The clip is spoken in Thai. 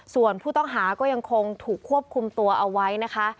ส่วนผู้ต้องหาก็ยังคงถูกควบคุมตัวเอาไว้นะคะ